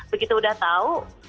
begitu udah tahu